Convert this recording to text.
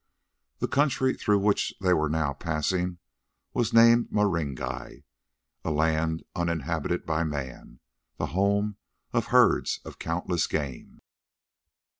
The country through which they were now passing was named Marengi, a land uninhabited by man, the home of herds of countless game.